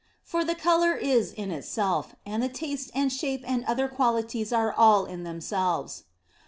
For the colour is in itself, and the taste and shape and other qualities are all in themselves.